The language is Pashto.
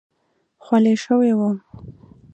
خولې شوی وم.